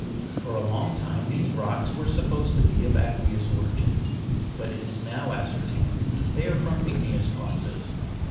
15. For a long time these rocks were supposed to be of aqueous origin ; but it is now ascertained that they are from igneous causes.